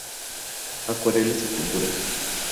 Acuarelas y pinturas.